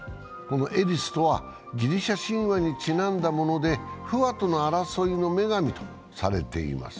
エリスとはギリシャ神話にちなんだもので不和と争いの女神とされています。